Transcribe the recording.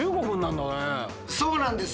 そうなんです。